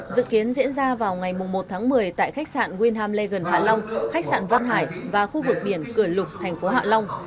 dự kiến diễn ra vào ngày một tháng một mươi tại khách sạn wilham legan hạ long khách sạn văn hải và khu vực biển cửa lục thành phố hạ long